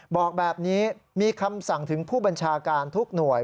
บอกแบบนี้มีคำสั่งถึงผู้บัญชาการทุกหน่วย